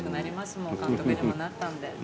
もう監督にもなったんで。